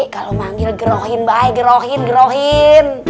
kalau manggil gerohin baik gerohin gerohin